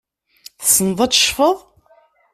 Tessneḍ ad tecfeḍ?